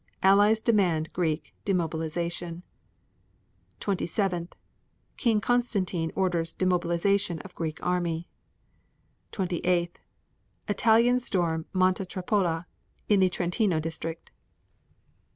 Allies demand Greek demobilization. 27. King Constantine orders demobilization of Greek army. 28. Italians storm Monte Trappola, in the Trentino district.